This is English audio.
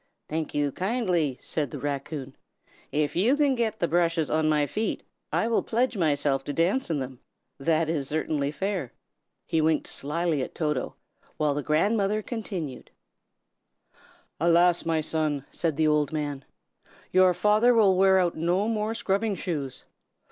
"Thank you, kindly!" said the raccoon. "If you can get the brushes on my feet, I will pledge myself to dance in them. That is certainly fair." He winked slyly at Toto, while the grandmother continued: "Alas! my son," said the old man, "your father will wear out no more scrubbing shoes.